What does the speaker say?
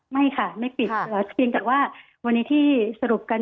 ไม่ค่ะไม่ปิดเพียงแต่ว่าวันนี้ที่สรุปกัน